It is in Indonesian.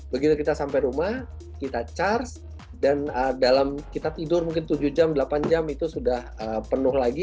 begitu kita sampai rumah kita charge dan dalam kita tidur mungkin tujuh jam delapan jam itu sudah penuh lagi